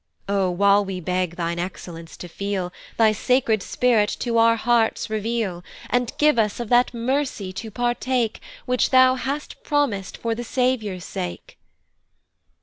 O, while we beg thine excellence to feel, Thy sacred Spirit to our hearts reveal, And give us of that mercy to partake, Which thou hast promis'd for the Saviour's sake!